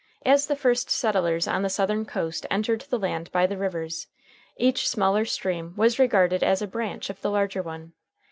As the first settlers on the Southern coast entered the land by the rivers, each smaller stream was regarded as a branch of the larger one.